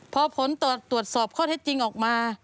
พอผลตรวจสอบข้อเท็จจริงออกมา